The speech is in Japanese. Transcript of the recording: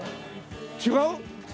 違う？